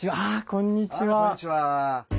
こんにちは。